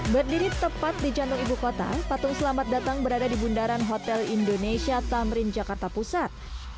berdiri tepat di jantung ibu kota patung selamat datang berada di bundaran hotel indonesia tamrin jakarta pusat